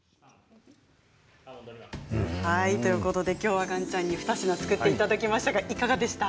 はい、ということで今日は岩ちゃんに２品作っていただきましたがいかがでした？